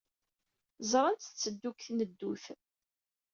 Ẓran-tt tetteddu deg tneddut.